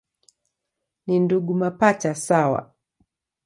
Ni ndugu mapacha sawa.